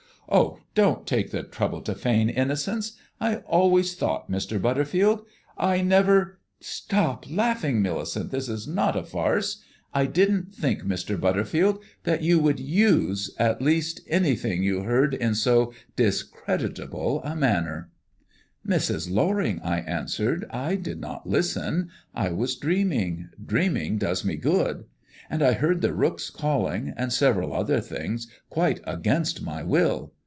"Oh, don't take the trouble to feign innocence! I always thought, Mr. Butterfield ! I never stop laughing, Millicent, this is not a farce I didn't think, Mr. Butterfield, that you would use, at least, anything you heard in so discreditable a manner!" "Mrs. Loring," I answered, "I did not listen. I was dreaming dreaming does me good and I heard the rooks calling, and several other things, quite against my will.